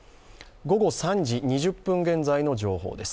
午後３時２０分現在の情報です。